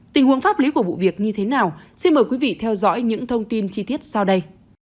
tình huống pháp lý của vụ việc như thế nào xin mời quý vị theo dõi những thông tin chi tiết sau đây